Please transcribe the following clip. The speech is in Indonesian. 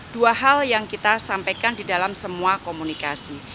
dua hal yang kita sampaikan di dalam semua komunikasi